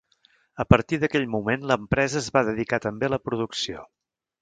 A partir d'aquell moment, l'empresa es va dedicar també a la producció.